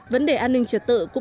vấn đề an ninh trật tự